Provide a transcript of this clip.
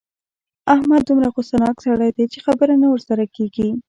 احمد دومره غوسناک سړی دی چې خبره نه ورسره کېږي.